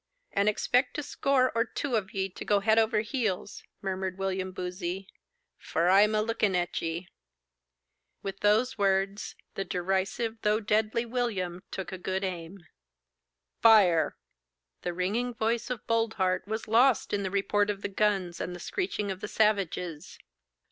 'And expect a score or two on ye to go head over heels,' murmured William Boozey; 'for I'm a looking at ye.' With those words, the derisive though deadly William took a good aim. 'Fire!' The ringing voice of Boldheart was lost in the report of the guns and the screeching of the savages.